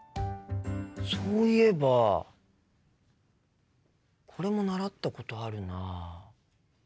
そういえばこれも習ったことあるな。